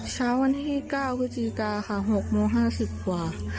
เช้าวันที่๙วิธีการค่ะ๖๕๐กว่า